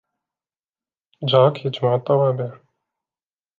جاك يجمع الطوابع.